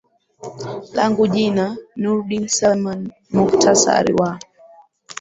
langu jina nurdin seleman muktsari wa